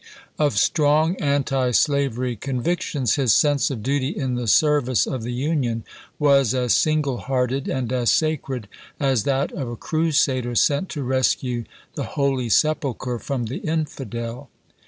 Of strong antislavery convictions, his sense of duty in the service of the Union was as single hearted and as sacred as that of a Crusader sent to rescue the Holy Sepulcher from the Infidel.